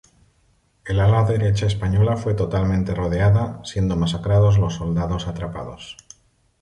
El ala derecha española fue totalmente rodeada, siendo masacrados los soldados atrapados.